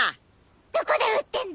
どこで売ってんだ？